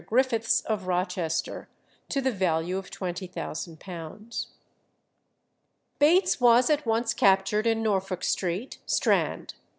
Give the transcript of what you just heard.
Griffiths of Rochester, to the value of £20,000. Bates was at once captured in Norfolk Street, Strand.